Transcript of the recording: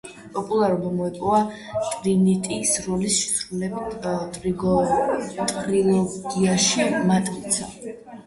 პოპულარობა მოიპოვა ტრინიტის როლის შესრულებით ტრილოგიაში „მატრიცა“.